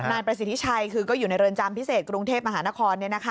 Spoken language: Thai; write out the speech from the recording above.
นายประสิทธิชัยคือก็อยู่ในเรือนจำพิเศษกรุงเทพมหานคร